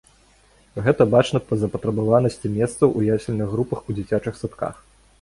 Гэта бачна па запатрабаванасці месцаў у ясельных групах у дзіцячых садках.